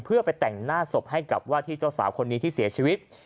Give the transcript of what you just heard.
เพื่อไปแต่งหน้าศพให้กับว่าที่เจ้าสาวคนนี้ที่เสียชีวิต